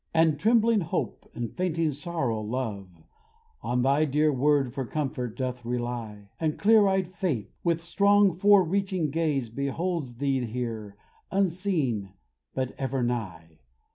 And trembling hope, and fainting, sorrowing love, On thy dear word for comfort doth rely; And clear eyed Faith, with strong forereaching gaze, Beholds thee here, unseen, but ever nigh.